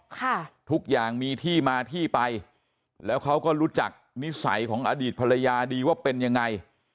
ค่ะทุกอย่างมีที่มาที่ไปแล้วเขาก็รู้จักนิสัยของอดีตภรรยาดีว่าเป็นยังไง